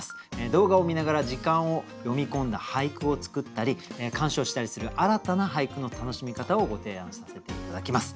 動画を観ながら時間を詠み込んだ俳句を作ったり鑑賞したりする新たな俳句の楽しみ方をご提案させて頂きます。